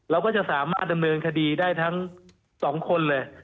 เราก็จะสามารถดำเนินคดีได้ทั้ง๒คนเลย